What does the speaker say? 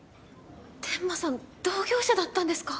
天間さん同業者だったんですか？